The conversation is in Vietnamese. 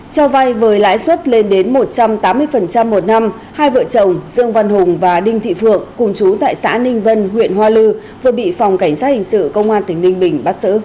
cho vay với lãi suất lên đến một trăm tám mươi một năm hai vợ chồng dương văn hùng và đinh thị phượng cùng chú tại xã ninh vân huyện hoa lư vừa bị phòng cảnh sát hình sự công an tỉnh ninh bình bắt xử